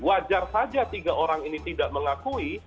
wajar saja tiga orang ini tidak mengakui